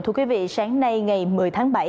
thưa quý vị sáng nay ngày một mươi tháng bảy